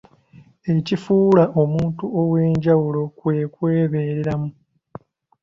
Ekifuula omuntu ow’enjawulo kwe kwebeereramu.